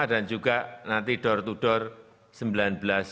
dan sembilan belas pelajar sma